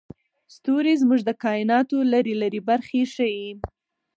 ستوري زموږ د کایناتو لرې لرې برخې ښيي.